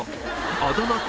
あだ名か？